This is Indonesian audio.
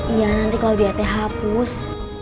iya nanti kalau diate hapus